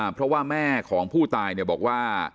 เพราะว่าแม่ของผู้ตายบอกว่า